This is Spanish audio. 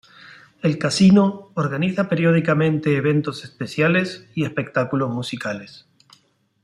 El casino organiza periódicamente eventos especiales y espectáculos musicales.